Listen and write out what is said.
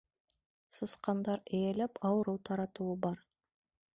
Сысҡандар эйәләп, ауырыу таратыуы бар.